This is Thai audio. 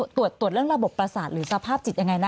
ตรวจเรื่องระบบประสาทหรือสภาพจิตยังไงนะ